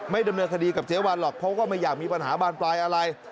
ดำเนินคดีกับเจ๊วันหรอกเพราะว่าไม่อยากมีปัญหาบานปลายอะไร